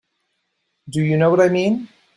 Do you know what I mean?